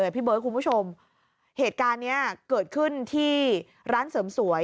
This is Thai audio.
เดี๋ยวพี่เบิ้ลคุณผู้ชมเหตุการณ์เนี่ยเกิดขึ้นที่ร้านเสริมสวย